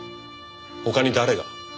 他に誰が？